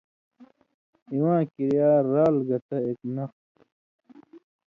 اِواں کِریا، رال گتہ اېک نخوۡ تھی؛